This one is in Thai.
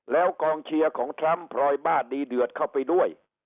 แล้วกองเชียร์ของทรัมป์พลอยบ้าดีเดือดเข้าไปด้วย